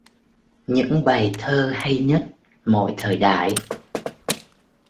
Những bài thơ hay nhất mọi thời đại